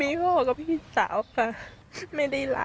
มีเฉพาะพี่สาวค่ะไม่ได้ร้ายกันมาก